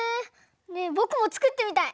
ねえぼくもつくってみたい。